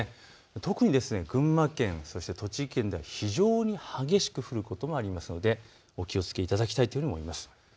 特に群馬県、そして栃木県、非常に激しく降ることが予想されますのでお気をつけいただきたいと思います。